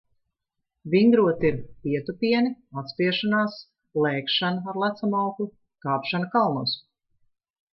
Vingrot ir - pietupieni, atspiešanās, lēkšana ar lecamauklu, kāpšana kalnos.